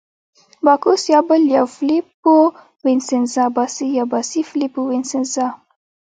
باکوس یا بل یو، فلیپو وینسینزا، باسي یا باسي فلیپو وینسینزا.